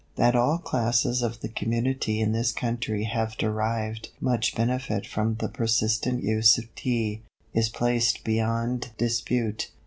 ] That all classes of the community in this country have derived much benefit from the persistent use of Tea, is placed beyond dispute.